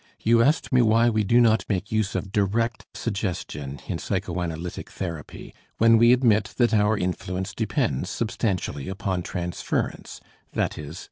You asked me why we do not make use of direct suggestion in psychoanalytic therapy, when we admit that our influence depends substantially upon transference, i.e.